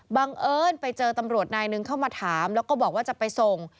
บังเอิญไปเจอตำรวจนายหนึ่งเข้ามาถามแล้วก็บอกว่าจะไปส่ง